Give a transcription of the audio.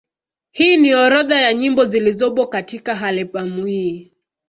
Hii ni orodha ya nyimbo zilizopo katika albamu hii.